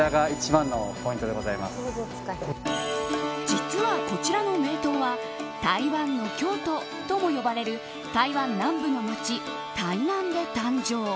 実は、こちらの名東は台湾の京都とも呼ばれる台湾南部の街、台南で誕生。